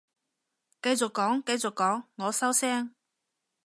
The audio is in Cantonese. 繼續講繼續講，我收聲